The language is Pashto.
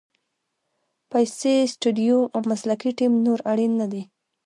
پیسې، سټوډیو او مسلکي ټیم نور اړین نه دي.